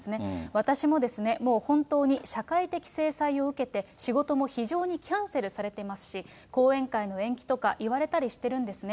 私もですね、もう本当に社会的制裁を受けて、仕事も非常にキャンセルされてますし、講演会の延期とか言われたりしてるんですね。